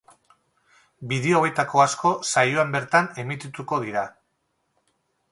Bideo hauetako asko saioan bertan emitituko dira.